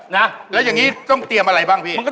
นะแล้วอย่างนี้ต้องเตรียมอะไรบ้างพี่